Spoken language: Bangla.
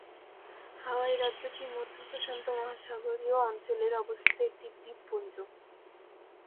হাওয়াই রাজ্যটি মধ্য-প্রশান্ত মহাসাগরীয় অঞ্চলে অবস্থিত একটি দ্বীপপুঞ্জ।